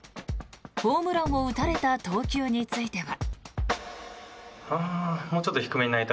ホームランを打たれた投球については。